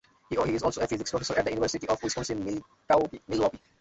He is also a physics professor at the University of Wisconsin-Milwaukee.